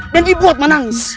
dan dibuat menangis